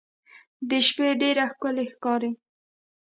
د شپې ډېر ښکلی ښکاري.